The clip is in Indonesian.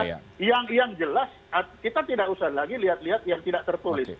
nah yang jelas kita tidak usah lagi lihat lihat yang tidak tertulis